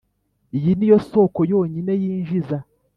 iyi niyo soko yonyine yinjiza.